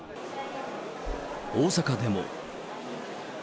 大阪でも。